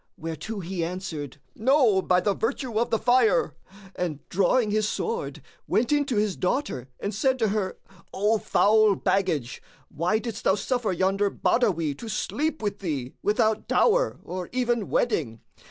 whereto he answered,:—No, by the virtue of the fire! and drawing his sword, went in to his daughter and said to her,:—O foul baggage, why didst thou suffer yonder Badawi to sleep with thee, without dower or even wedding?